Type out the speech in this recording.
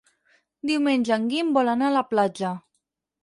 Diumenge en Guim vol anar a la platja.